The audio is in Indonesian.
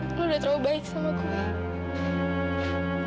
aku udah terlalu baik sama gue